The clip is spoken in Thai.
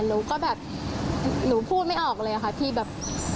หนูก็แบบหนูพูดไม่ออกเลยค่ะที่แบบ